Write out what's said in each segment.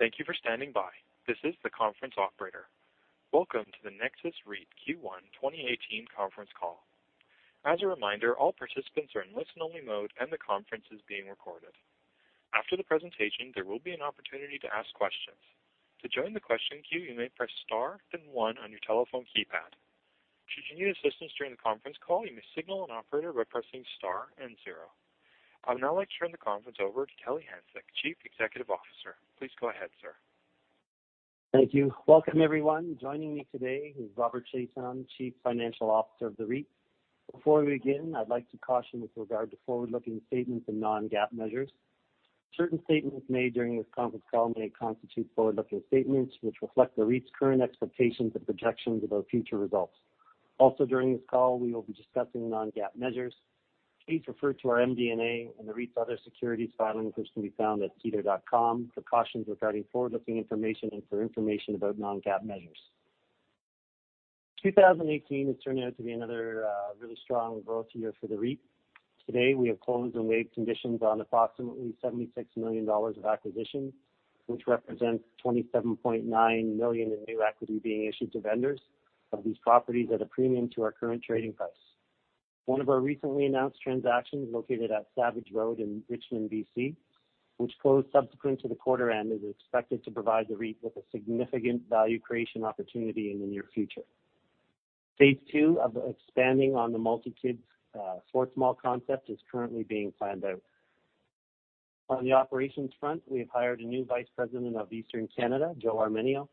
Thank you for standing by. This is the conference operator. Welcome to the Nexus REIT Q1 2018 conference call. As a reminder, all participants are in listen-only mode, and the conference is being recorded. After the presentation, there will be an opportunity to ask questions. To join the question queue, you may press star then one on your telephone keypad. Should you need assistance during the conference call, you may signal an operator by pressing star and zero. I would now like to turn the conference over to Kelly Hanczyk, Chief Executive Officer. Please go ahead, sir. Thank you. Welcome, everyone. Joining me today is Robert Chiasson, Chief Financial Officer of the REIT. Before we begin, I'd like to caution with regard to forward-looking statements and non-GAAP measures. Certain statements made during this conference call may constitute forward-looking statements, which reflect the REIT's current expectations and projections about future results. Also, during this call, we will be discussing non-GAAP measures. Please refer to our MD&A and the REIT's other securities filings, which can be found at sedar.com for cautions regarding forward-looking information and for information about non-GAAP measures. 2018 is turning out to be another really strong growth year for the REIT. Today, we have closed and waived conditions on approximately 76 million dollars of acquisitions, which represents 27.9 million in new equity being issued to vendors of these properties at a premium to our current trading price. One of our recently announced transactions, located at Savage Road in Richmond, B.C., which closed subsequent to the quarter end, is expected to provide the REIT with a significant value creation opportunity in the near future. Phase two of expanding on the Multi Kids Sports Mall concept is currently being planned out. On the operations front, we have hired a new Vice President of Eastern Canada, Joe Arminio.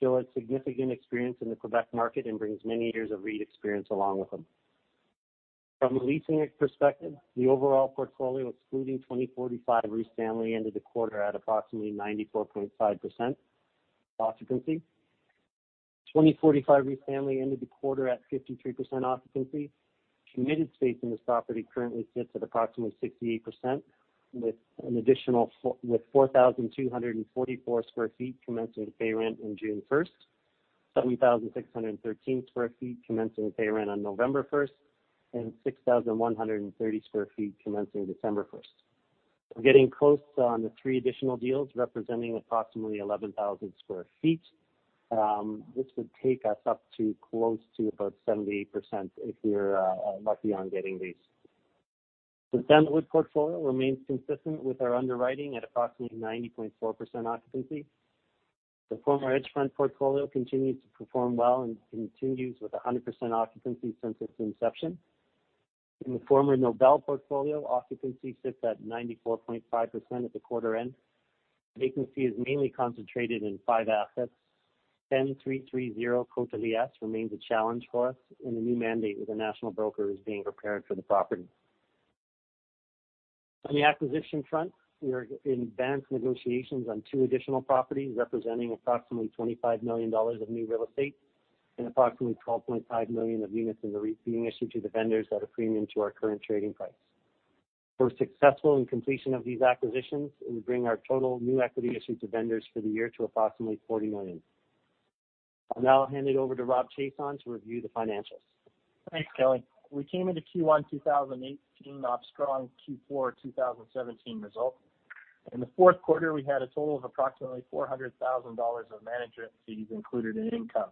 Joe has significant experience in the Quebec market and brings many years of REIT experience along with him. From a leasing perspective, the overall portfolio, excluding 2045 Rue Stanley, ended the quarter at approximately 94.5% occupancy. 2045 Rue Stanley ended the quarter at 53% occupancy. Committed space in this property currently sits at approximately 68%, with 4,244 sq ft commencing to pay rent on June 1st, 7,613 sq ft commencing to pay rent on November 1st, and 6,130 sq ft commencing December 1st. We're getting close on the three additional deals, representing approximately 11,000 sq ft. This would take us up to close to about 78%, if we're lucky on getting these. The Sandalwood portfolio remains consistent with our underwriting at approximately 90.4% occupancy. The former Edgefront portfolio continues to perform well and continues with 100% occupancy since its inception. In the former Nobel portfolio, occupancy sits at 94.5% at the quarter end. Vacancy is mainly concentrated in five assets. 10330 Côte-de-Liesse remains a challenge for us, and a new mandate with a national broker is being prepared for the property. On the acquisition front, we are in advanced negotiations on two additional properties, representing approximately 25 million dollars of new real estate and approximately 12.5 million of units in the REIT being issued to the vendors at a premium to our current trading price. If we're successful in completion of these acquisitions, it would bring our total new equity issued to vendors for the year to approximately 40 million. I'll now hand it over to Rob Chiasson to review the financials. Thanks, Kelly. We came into Q1 2018 off strong Q4 2017 results. In the fourth quarter, we had a total of approximately 400,000 dollars of management fees included in income.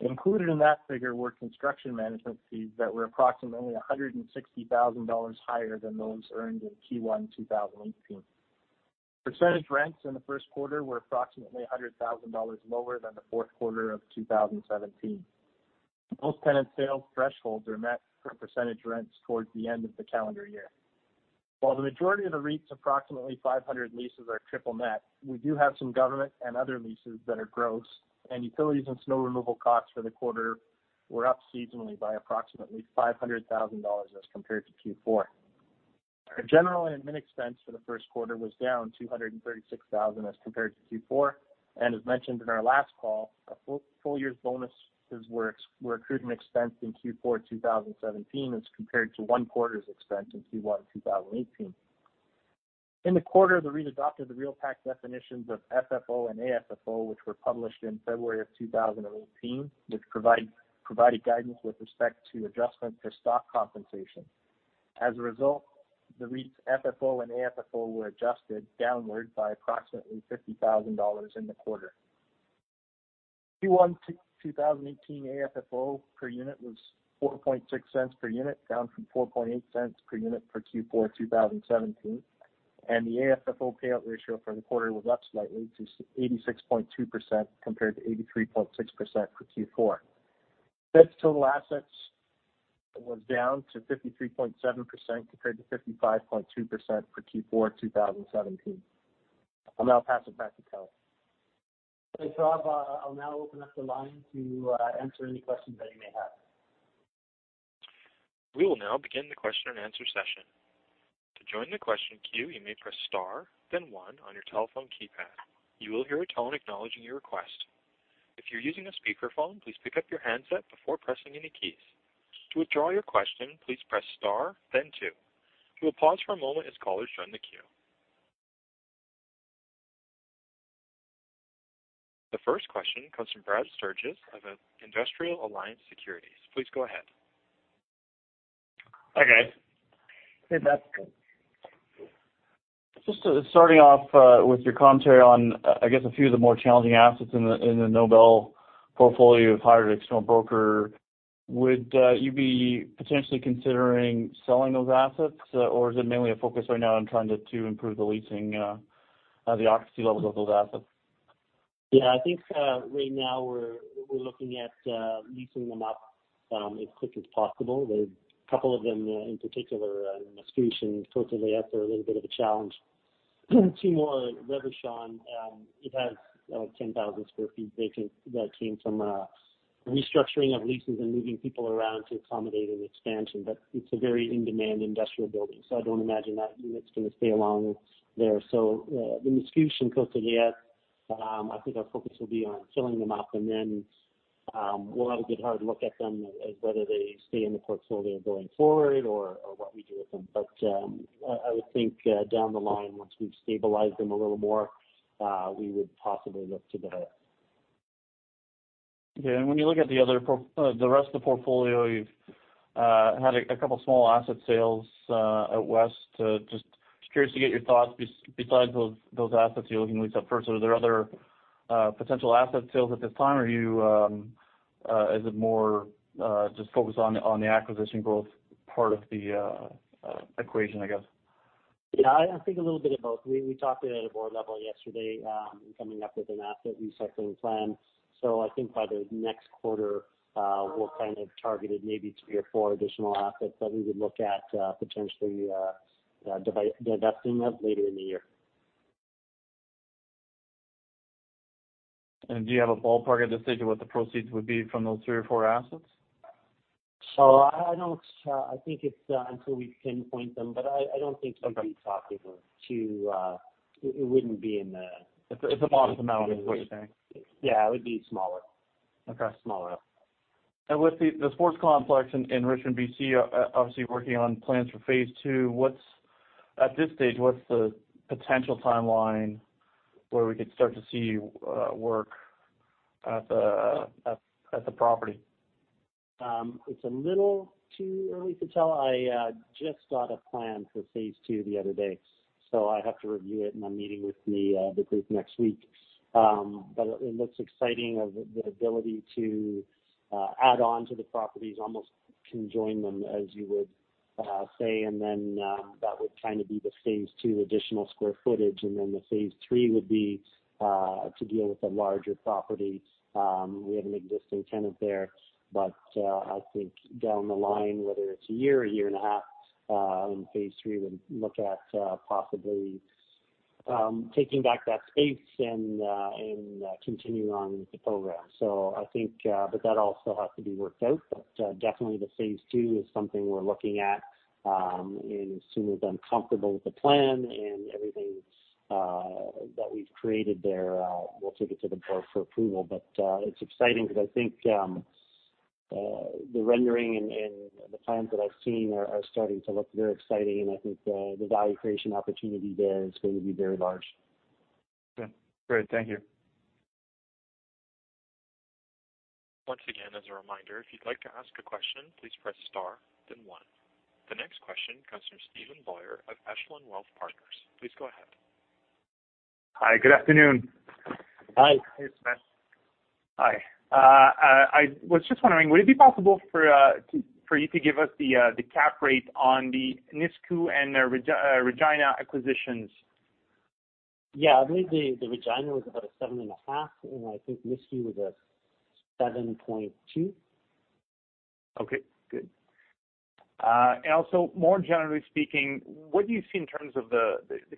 Included in that figure were construction management fees that were approximately 160,000 dollars higher than those earned in Q1 2018. Percentage rents in the first quarter were approximately 100,000 dollars lower than the fourth quarter of 2017. Most tenant sales thresholds are met for percentage rents towards the end of the calendar year. While the majority of the REIT's approximately 500 leases are triple-net, we do have some government and other leases that are gross, and utilities and snow removal costs for the quarter were up seasonally by approximately 500,000 dollars as compared to Q4. Our general and admin expense for the first quarter was down 236,000 as compared to Q4. As mentioned in our last call, a full year's bonuses were accrued and expensed in Q4 2017 as compared to one quarter's expense in Q1 2018. In the quarter, the REIT adopted the RealPAC definitions of FFO and AFFO, which were published in February of 2018, which provided guidance with respect to adjustment for stock compensation. As a result, the REIT's FFO and AFFO were adjusted downward by approximately 50,000 dollars in the quarter. Q1 2018 AFFO per unit was 0.046 per unit, down from 0.048 per unit for Q4 2017, and the AFFO payout ratio for the quarter was up slightly to 86.2% compared to 83.6% for Q4. Debt-to-total assets was down to 53.7% compared to 55.2% for Q4 2017. I'll now pass it back to Kelly. Thanks, Rob. I'll now open up the line to answer any questions that you may have. We will now begin the question and answer session. To join the question queue, you may press star then one on your telephone keypad. You will hear a tone acknowledging your request. If you're using a speakerphone, please pick up your handset before pressing any keys. To withdraw your question, please press star then two. We will pause for a moment as callers join the queue. The first question comes from Brad Sturges of Industrial Alliance Securities. Please go ahead. Okay. Okay, that's good. Just starting off with your commentary on, I guess a few of the more challenging assets in the Nobel portfolio. You've hired an external broker. Would you be potentially considering selling those assets, or is it mainly a focus right now on trying to improve the leasing of the occupancy levels of those assets? Yeah, I think right now we're looking at leasing them up as quick as possible. There's a couple of them in particular, in Mascouche and Côte-Saint-Luc are a little bit of a challenge. Two more at Richmond. It has 10,000 sq ft vacant that came from a restructuring of leases and moving people around to accommodate an expansion. It's a very in-demand industrial building, so I don't imagine that unit's going to stay along there. The Mascouche and Côte-Saint-Luc, I think our focus will be on filling them up and then we'll have a good hard look at them as whether they stay in the portfolio going forward or what we do with them. I would think, down the line, once we've stabilized them a little more, we would possibly look to that. Okay. When you look at the rest of the portfolio, you've had a couple of small asset sales out west. Just curious to get your thoughts besides those assets you're looking to lease up first. Are there other potential asset sales at this time? Or is it more just focused on the acquisition growth part of the equation, I guess? Yeah, I think a little bit of both. We talked it at a board level yesterday, coming up with an asset recycling plan. I think by the next quarter, we'll target maybe three or four additional assets that we would look at potentially divesting of later in the year. Do you have a ballpark at this stage of what the proceeds would be from those three or four assets? I think it's until we pinpoint them. I don't think we'll be talking. It wouldn't be. It's a modest amount is what you're saying. Yeah, it would be smaller. Okay. Smaller. With the sports complex in Richmond, B.C., obviously working on plans for phase 2, at this stage, what's the potential timeline where we could start to see work at the property? It's a little too early to tell. I just got a plan for phase 2 the other day, so I have to review it in my meeting with the group next week. It looks exciting of the ability to add on to the properties, almost conjoin them as you would say, and then that would be the phase 2 additional square footage, and then the phase 3 would be to deal with the larger property. We have an existing tenant there, but I think down the line, whether it's a year or a year and a half, in phase 3, we would look at possibly taking back that space and continue on with the program. That all still has to be worked out. Definitely the phase two is something we're looking at, as soon as I'm comfortable with the plan and everything that we've created there, we'll take it to the board for approval. It's exciting because I think the rendering and the plans that I've seen are starting to look very exciting, I think the value creation opportunity there is going to be very large. Okay, great. Thank you. Once again, as a reminder, if you'd like to ask a question, please press star then one. The next question comes from Steven Boyer of Echelon Wealth Partners. Please go ahead. Hi, good afternoon. Hi. Hey, Steven. Hi. I was just wondering, would it be possible for you to give us the cap rate on the Nisku and Regina acquisitions? Yeah. I believe the Regina was about a 7.5, and I think Nisku was a 7.2. Okay, good. Also more generally speaking, what do you see in terms of the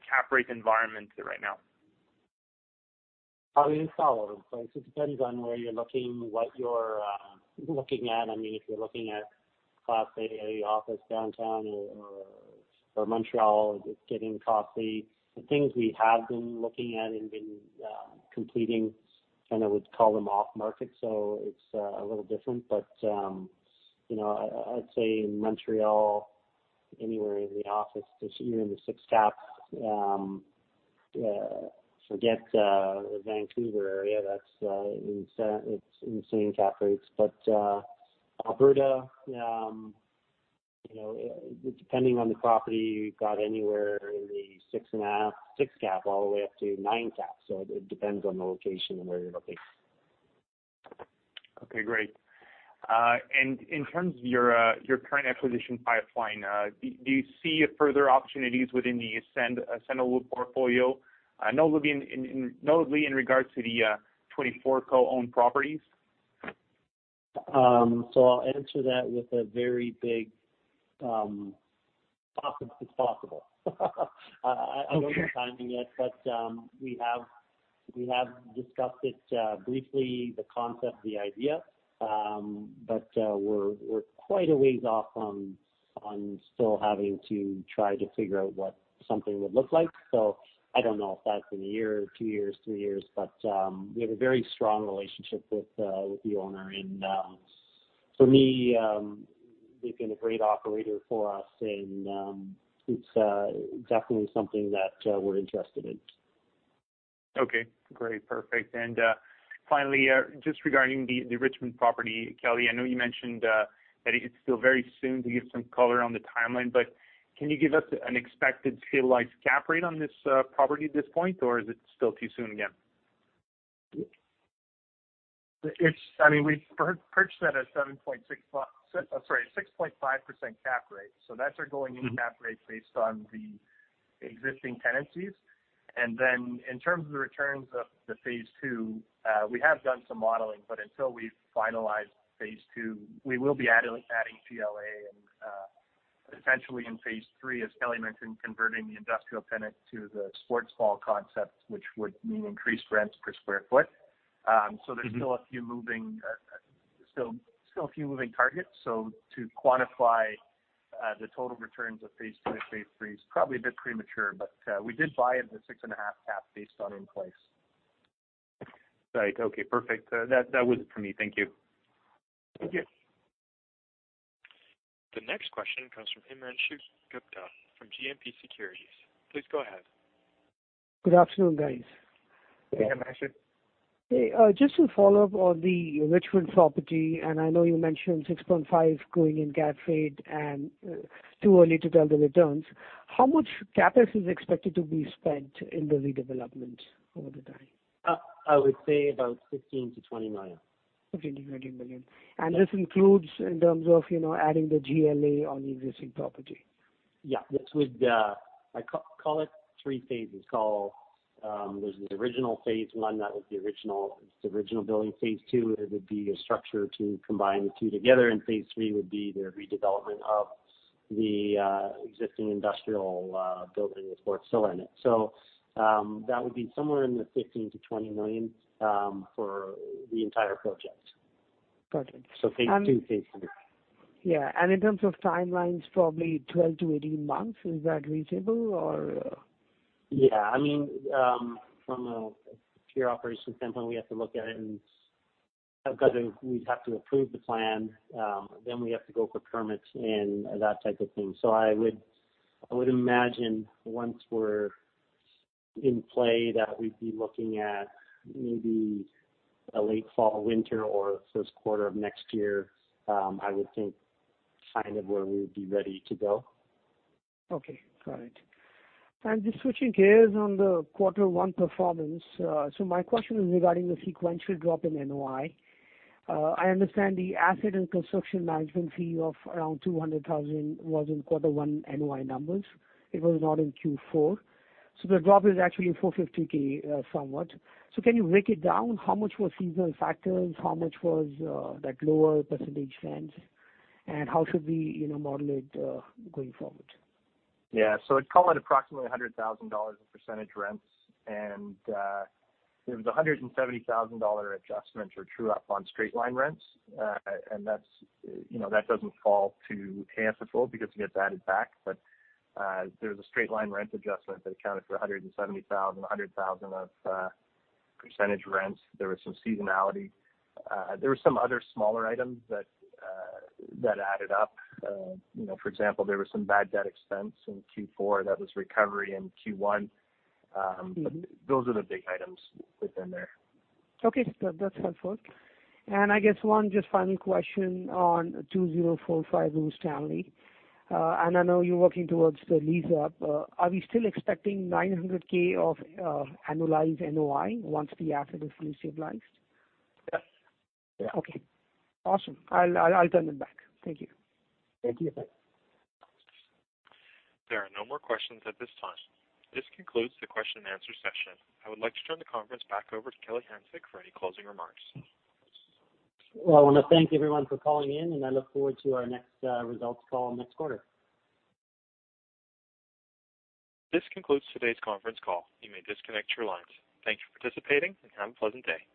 cap rate environment right now? It's all over the place. It depends on where you're looking, what you're looking at. If you're looking at Class A office downtown or Montreal, it's getting costly. The things we have been looking at and been completing, I would call them off market, it's a little different. I'd say in Montreal, anywhere in the office, you're in the six caps. Forget the Vancouver area. It's insane cap rates. Alberta, depending on the property, you've got anywhere in the six cap all the way up to nine cap. It depends on the location and where you're looking. Okay, great. In terms of your current acquisition pipeline, do you see further opportunities within the Ascend portfolio? Notably in regards to the 24 co-owned properties. I'll answer that with a very big, it's possible. I don't know the timing yet, but we have discussed it briefly, the concept, the idea. We're quite a ways off on still having to try to figure out what something would look like. I don't know if that's in a year, two years, three years, but we have a very strong relationship with the owner, and for me, they've been a great operator for us, and it's definitely something that we're interested in. Okay, great. Perfect. Finally, just regarding the Richmond property, Kelly, I know you mentioned that it's still very soon to give some color on the timeline, but can you give us an expected stabilized cap rate on this property at this point, or is it still too soon, again? We purchased that at 6.5% cap rate. That's our going-in cap rate based on the existing tenancies. Then in terms of the returns of the phase 2, we have done some modeling, but until we finalize phase 2, we will be adding GLA, and essentially in phase 3, as Kelly mentioned, converting the industrial tenant to the sports Ballers concept, which would mean increased rents per square foot. There's still a few moving targets. To quantify the total returns of phase 2 and phase 3 is probably a bit premature, but we did buy it at 6.5 cap based on in place. Right. Okay, perfect. That was it for me. Thank you. Thank you. The next question comes from Himanshu Gupta from GMP Securities. Please go ahead. Good afternoon, guys. Hey, Himanshu. Hey, just to follow up on the Richmond property, I know you mentioned 6.5% going in cap rate and too early to tell the returns. How much CapEx is expected to be spent in the redevelopment over the time? I would say about 15 million-20 million. 15 million-20 million. This includes in terms of adding the GLA on the existing property? Yeah. I call it three phases. There's the original phase 1, that was the original building. Phase 2, it would be a structure to combine the two together, phase 3 would be the redevelopment of the existing industrial building with sports facility in it. That would be somewhere in the 15 million-20 million for the entire project. Got it. Phase 2, phase 3. Yeah. In terms of timelines, probably 12 to 18 months. Is that reasonable or? Yeah. From a pure operation standpoint, we have to look at it and we have to approve the plan. We have to go for permits and that type of thing. I would imagine once we're in play that we'd be looking at maybe a late fall, winter, or first quarter of next year. I would think kind of where we would be ready to go. Okay. Got it. Just switching gears on the quarter one performance. My question is regarding the sequential drop in NOI. I understand the asset and construction management fee of around 200,000 was in quarter one NOI numbers. It was not in Q4. The drop is actually 450,000 somewhat. Can you break it down? How much was seasonal factors? How much was that lower percentage rents? How should we model it going forward? Yeah. I'd call it approximately 100,000 dollars of percentage rents, and there was 170,000 dollar adjustment or true up on straight line rents. That doesn't fall to AFFO because it gets added back. There was a straight line rent adjustment that accounted for 170,000, 100,000 of percentage rents. There was some seasonality. There were some other smaller items that added up. For example, there was some bad debt expense in Q4 that was recovery in Q1. Those are the big items within there. Okay. That's helpful. I guess one just final question on 2045 Rue Stanley. I know you're working towards the lease up. Are we still expecting 900,000 of annualized NOI once the asset is fully stabilized? Yes. Okay. Awesome. I'll turn it back. Thank you. Thank you. There are no more questions at this time. This concludes the question and answer session. I would like to turn the conference back over to Kelly Hanczyk for any closing remarks. Well, I want to thank everyone for calling in, and I look forward to our next results call next quarter. This concludes today's conference call. You may disconnect your lines. Thank you for participating and have a pleasant day.